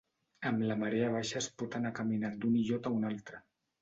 Amb la marea baixa es pot anar caminant d'un illot a un altre.